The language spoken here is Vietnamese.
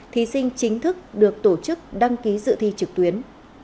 thí sinh chính thức được tổ chức đăng ký dự thi trực tuyến